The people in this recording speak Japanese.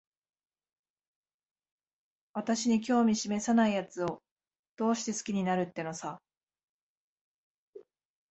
私に興味しめさないやつを、どうして好きになるってのさ。